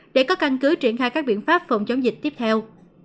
để có căn cứ triển khai các biện pháp phòng chống dịch tiếp theo